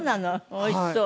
おいしそう。